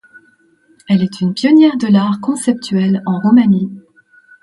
Elle est une pionnière de l'art conceptuel en Roumanie.